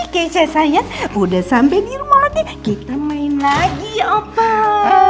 ih keisha sayang udah sampai di rumah kita main lagi ya pak